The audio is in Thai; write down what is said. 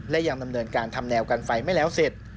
และยังดำเนินการทำแนวกันไฟไม่แล้วเสร็จ